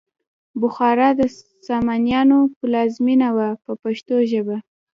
بخارا د سامانیانو پلازمینه وه په پښتو ژبه.